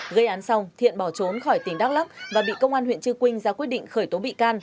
gây án xong thiện bỏ trốn khỏi tỉnh đắk lắc và bị công an huyện trư quynh ra quyết định khởi tố bị can